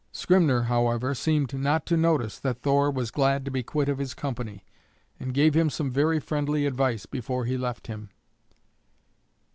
Skrymner, however, seemed not to notice that Thor was glad to be quit of his company, and gave him some very friendly advice before he left him.